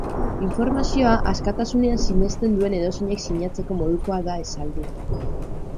Informazioa askatasunean sinesten duen edozeinek sinatzeko modukoa da esaldia.